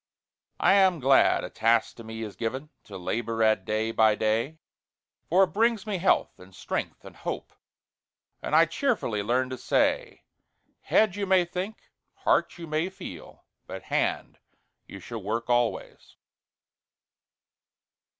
I am glad a task to me is given To labor at day by day; For it brings me health, and strength, and hope, And I cheerfully learn to say 'Head, you may think; heart, you may feel; But hand, you shall work always!'